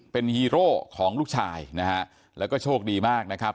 เป็นฮีโร่ของลูกชายนะฮะแล้วก็โชคดีมากนะครับ